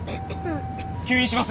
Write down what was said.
吸引します！